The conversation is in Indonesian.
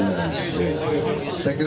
demi kepenyataan adik adik